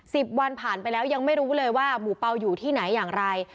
สิบวันผ่านไปแล้วยังไม่รู้เลยว่าหมูเป่าอยู่ที่ไหนอย่างไร